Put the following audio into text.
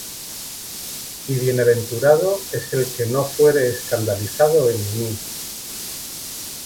Y bienaventurado es el que no fuere escandalizado en mí.